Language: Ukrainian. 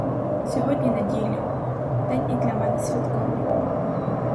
Сьогодні неділя, день і для мене святковий.